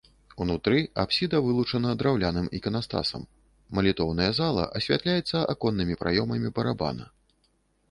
Унутры апсіда вылучана драўляным іканастасам, малітоўная зала асвятляецца аконнымі праёмамі барабана.